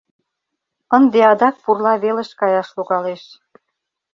Ынде адак пурла велыш каяш логалеш».